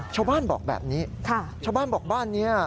ชาวบ้านบอกแบบนี้ชาวบ้านบอกบ้านนี้